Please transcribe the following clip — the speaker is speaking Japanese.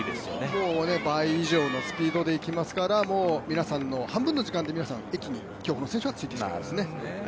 競歩の倍以上のスピードでいきますから皆さんの半分の時間で競歩の選手は駅に着いてしまいます。